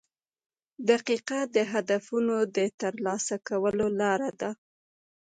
• دقیقه د هدفونو د ترلاسه کولو لار ده.